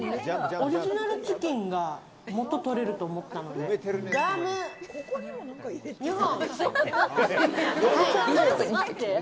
オリジナルチキンが元取れると思ったので、ドラム２本。